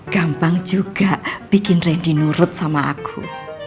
gampang juga bikin ren dinurut sama aku